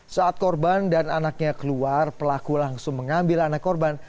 saat korban dan anaknya keluar pelaku langsung mengambil anak korban